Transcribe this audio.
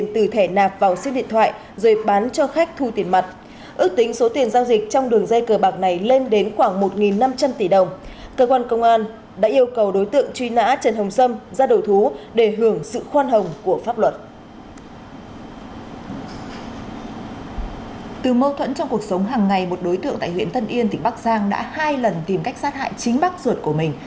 từ mâu thuẫn trong cuộc sống hàng ngày một đối tượng tại huyện tân yên tỉnh bắc giang đã hai lần tìm cách sát hại chính bác ruột của mình